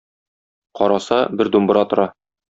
Караса, бер думбра тора.